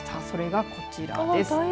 それがこちらです。